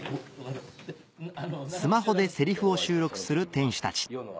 スマホでセリフを収録する店主たち